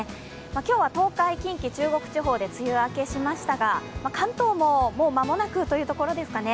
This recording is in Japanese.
今日は東海、近畿、中国地方で梅雨明けしましたが関東も、もう間もなくというところですかね。